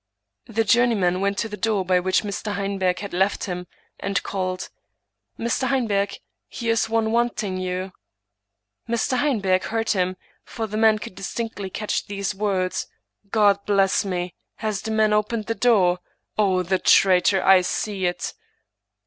The journeyman went to the door by which Mr. Heinberg had left him, and called, " Mr. Hein berg, here's one wanting you !" Mr. Heinberg heard him, for the man could distinctly catch these words :" God bless me ! has the man opened the door ? O, the traitor ! I see it."